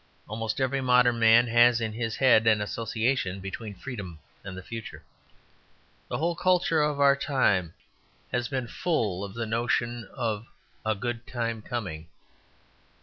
Almost every modern man has in his head an association between freedom and the future. The whole culture of our time has been full of the notion of "A Good Time Coming."